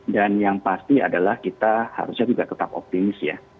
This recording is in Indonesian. yang pasti adalah kita harusnya juga tetap optimis ya